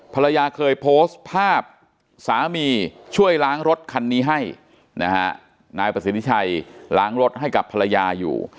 ภรรยาเคยโพสต์ภาพสามีช่วยล้างรถคันนี้ให้นะฮะนายประสิทธิชัยล้างรถให้กับภรรยาอยู่